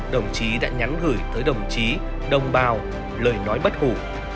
đồng chí đã nhắn gửi tới đồng chí đồng bào lời nói bất hủ